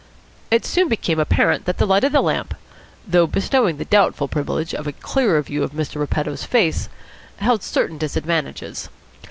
It soon became apparent that the light of the lamp, though bestowing the doubtful privilege of a clearer view of Mr. Repetto's face, held certain disadvantages.